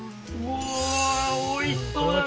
うわーおいしそうだな